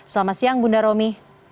selamat siang bunda romi